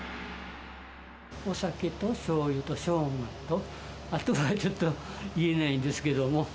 お酒としょうゆとショウガと、あとはちょっと言えないんですけども。